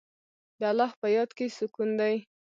د الله په یاد کې سکون دی.